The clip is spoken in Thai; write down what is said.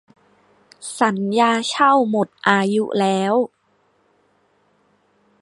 สัญญาเช่าหมดอายุแล้ว